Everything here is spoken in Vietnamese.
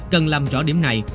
cần làm rõ điểm này